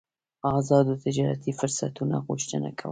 ازادو تجارتي فرصتونو غوښتنه کوله.